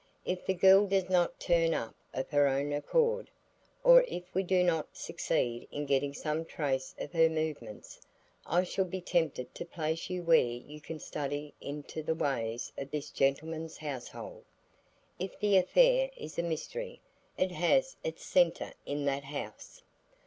"If the girl does not turn up of her own accord, or if we do not succeed in getting some trace of her movements, I shall be tempted to place you where you can study into the ways of this gentleman's household. If the affair is a mystery, it has its centre in that house."